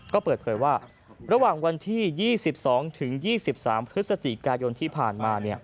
ก็เปิดเผยว่าระหว่างวันที่๒๒๒๓พฤศจิกายนที่ผ่านมา